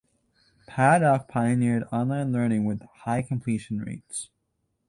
Paddock pioneered online learning with high completion rates.